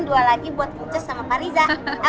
dua lagi buat wuches sama pak riza